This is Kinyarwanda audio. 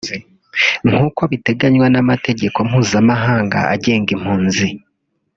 nkuko biteganywa n’amategeko mpuzamahanga agenga impunzi